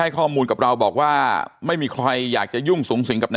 ข้อมูลกับเราบอกว่าไม่มีใครอยากจะยุ่งสูงสิงกับนาย